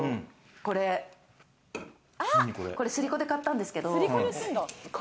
これ、スリコで買ったんですけれども。